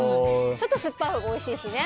ちょっと酸っぱいほうがおいしいしね。